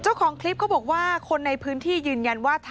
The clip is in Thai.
เจ้าของคลิปเขาบอกว่าคนในพื้นที่ยืนยันว่า